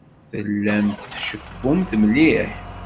Tellamt tceffumt mliḥ.